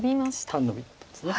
単ノビです。